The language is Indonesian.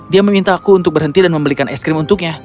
dia meminta aku untuk berhenti dan membelikan es krim untuknya